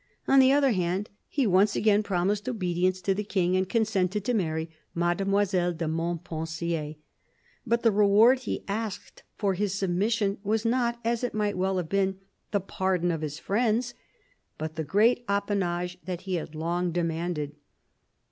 On the other hand, he once again promised obedience to the King and consented to marry Mademoiselle de Mont pensier ; but the reward he asked for his submission was not, as it might well have been, the pardon of his friends, but the great appanage that he had long demanded.